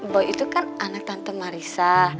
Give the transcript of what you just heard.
boy itu kan anak tante marisa